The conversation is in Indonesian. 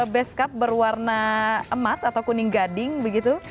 beskap berwarna emas atau kuning gading begitu